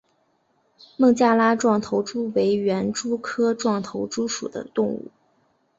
孟加拉壮头蛛为园蛛科壮头蛛属的动物。